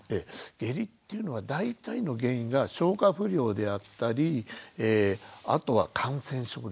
下痢っていうのは大体の原因が消化不良であったりあとは感染症ですね。